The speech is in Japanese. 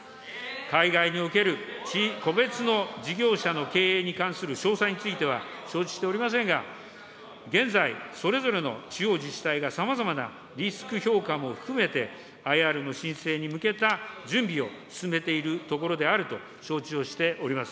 海外における個別の事業者の経営に関する詳細については、承知しておりませんが、現在、それぞれの地方自治体がさまざまなリスク評価も含めて、ＩＲの申請に向けた準備を進めているところであると、承知をしております。